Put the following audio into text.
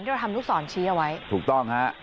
เราทำลูกศรชี้เอาไว้ถูกต้องฮะ